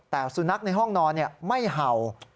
แต่สุนัขในห้องนอนไม่เห่า